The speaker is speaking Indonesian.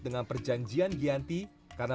dengan perjanjian giyanti karena